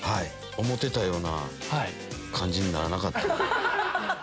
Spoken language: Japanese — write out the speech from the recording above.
思ったような感じにならなかった。